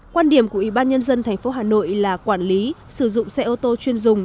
quan điểm của ủy ban nhân dân tp hcm là quản lý sử dụng xe ô tô chuyên dùng